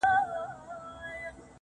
زما د زړه گلونه ساه واخلي,